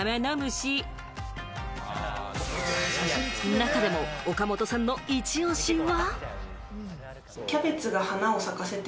中でも岡本さんのイチオシは。